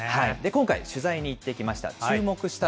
今回、取材に行ってきました。